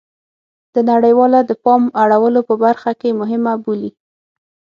د نړیواله د پام اړولو په برخه کې مهمه بولي